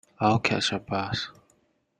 I'll catch a bus.